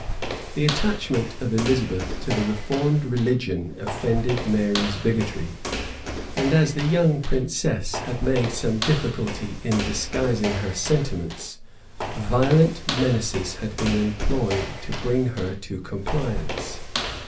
The attachment of Elizabeth to the reformed religion offended Mary's bigotry; and as the young princess had made some difficulty in disguising her sentiments, violent menaces had been employed to bring her to compliance.